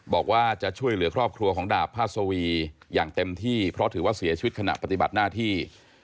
บอกว่าจะช่วยเหลือครอบครัวของดาบพาสวีอย่างเต็มที่เพราะถือว่าเสียชีวิตขณะปฏิบัติหน้าที่